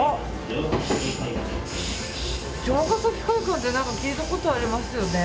城ヶ崎海岸って何か聞いたことありますよね。